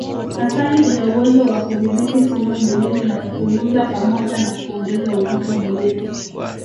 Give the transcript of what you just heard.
Asali ina uwezo wa kudhibiti sumu mwilini na kupunguza pamoja na kuongeza uzito mwilini